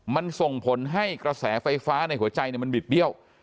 มันส่งผลให้กระแสไฟฟ้าในหัวใจมันบิดเบี้ยว